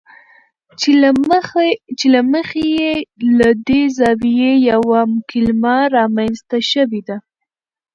چې له مخې یې له دې زاویې یوه کلمه رامنځته شوې ده.